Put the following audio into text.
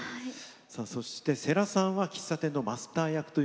そして世良さんは喫茶店のマスター役と。